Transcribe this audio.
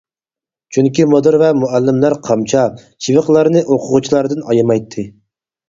چۈنكى مۇدىر ۋە مۇئەللىملەر قامچا، چىۋىقلارنى ئوقۇغۇچىلاردىن ئايىمايتتى.